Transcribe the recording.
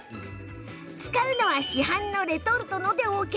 使うのは市販のレトルトでＯＫ。